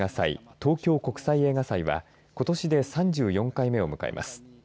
東京国際映画祭はことしで３４回目を迎えます。